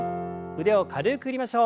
腕を軽く振りましょう。